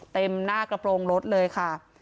เต็มหน้ากระโปรงรถเลยค่ะ